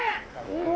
うわ！